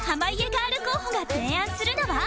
ガール候補が提案するのは